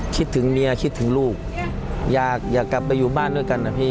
คิดถึงเมียคิดถึงลูกอยากกลับไปอยู่บ้านด้วยกันนะพี่